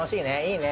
いいね。